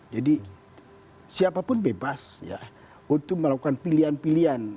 jadi siapapun bebas untuk melakukan pilihan pilihan